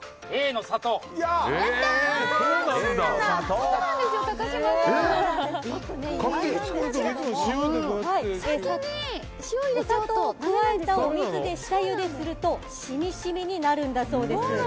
お砂糖を加えたお水で下ゆですると染み染みになるんだそうです。